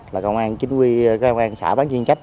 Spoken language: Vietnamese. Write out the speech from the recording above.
là công an xã bán chuyên trách